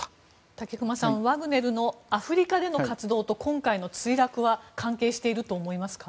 武隈さんワグネルのアフリカでの活動と今回の墜落は関係していると思いますか？